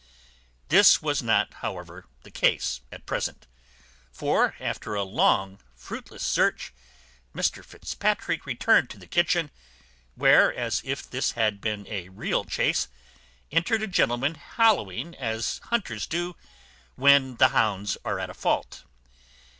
This was not however the case at present; for after a long fruitless search, Mr Fitzpatrick returned to the kitchen, where, as if this had been a real chace, entered a gentleman hallowing as hunters do when the hounds are at a fault.